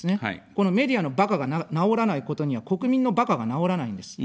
このメディアのばかが直らないことには、国民のばかが直らないんです。